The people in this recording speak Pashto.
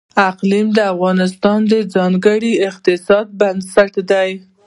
اقلیم د افغانستان د ځایي اقتصادونو بنسټ دی.